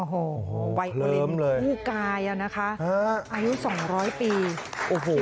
โอ้โหไว้กูเล็มคู่กายอะนะคะอ่ะอายุสองร้อยปีโอ้โห